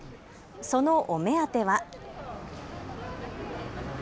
そのお目当ては。